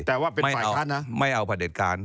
แต่ว่าเป็นฝ่ายค้านนะไม่เอาประเด็จการ